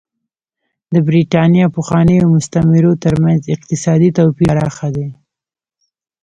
د برېټانیا پخوانیو مستعمرو ترمنځ اقتصادي توپیر پراخ دی.